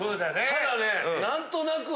ただね何となく。